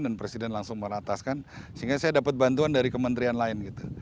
dan presiden langsung merataskan sehingga saya dapat bantuan dari kementerian lain